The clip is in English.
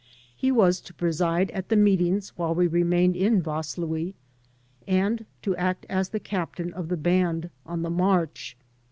He was to preside at the meetings while we remained in Vaslui, and to act as the captain of the band on the march.